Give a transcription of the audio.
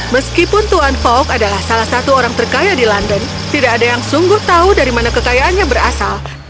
meskipun tuan fok adalah salah satu orang terkaya di london tidak ada yang sungguh tahu dari mana kekayaannya berasal